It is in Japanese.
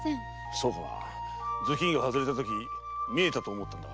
そうかな頭巾が外れたとき見えたと思ったんだが。